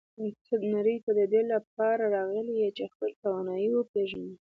ته نړۍ ته د دې لپاره راغلی یې چې خپلې توانایی وپېژنې.